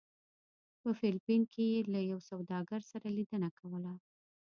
په فلپین کې یې له یو سوداګر سره لیدنه کوله.